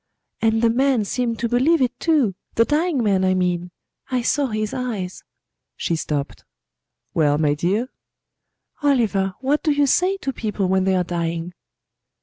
"And the man seemed to believe it, too the dying man, I mean. I saw his eyes." She stopped. "Well, my dear?" "Oliver, what do you say to people when they are dying?"